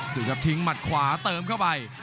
หรือจะทิ้งหมัดขวาเติมเข้าไป